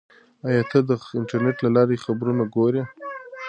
آیا ته د انټرنیټ له لارې خبرونه ګورې؟